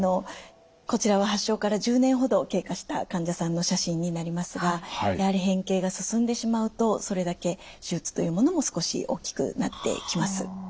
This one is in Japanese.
こちらは発症から１０年ほど経過した患者さんの写真になりますがやはり変形が進んでしまうとそれだけ手術というものも少し大きくなってきます。